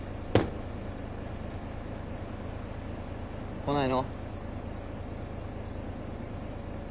来ないの？